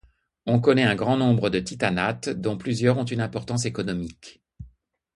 On connaît un grand nombre de titanates, dont plusieurs ont une importance économique.